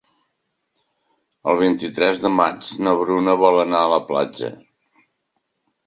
El vint-i-tres de maig na Bruna vol anar a la platja.